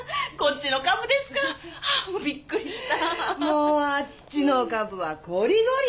もうあっちの株はこりごり。